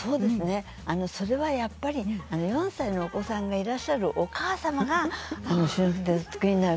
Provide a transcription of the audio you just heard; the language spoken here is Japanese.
それはやっぱり４歳のお子さんがいらっしゃるお母様がお作りになる。